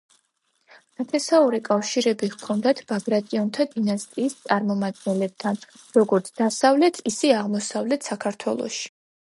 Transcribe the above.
ნათესაური კავშირები ჰქონდათ ბაგრატიონთა დინასტიის წარმომადგენლებთან როგორც დასავლეთ, ისე აღმოსავლეთ საქართველოში.